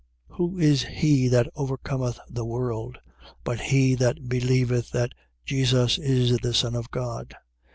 Who is he that overcometh the world, but he that believeth that Jesus is the Son of God?